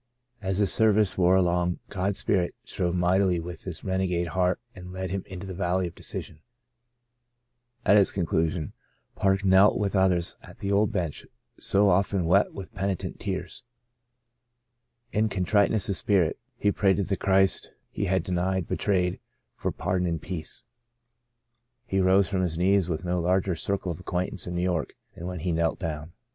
As the service wore along God^s spirit strove mightily with this renegade heart and led him into the valley of decision. At its conclusion Park knelt with others at the old bench so often wet with penitential tears. In contriteness of spirit he prayed to the Christ he had denied — betrayed — for pardon and peace. He rose from his knees with no 92 Saved to Serve larger circle of acquaintance in New York than when he knelt down.